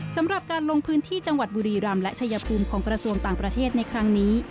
สำหรับการลงพื้นที่จังหวัดบุรีรำและชายภูมิของกระทรวงต่างประเทศในครั้งนี้